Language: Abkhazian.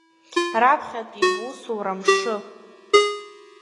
Раԥхьатәи бусура мшы!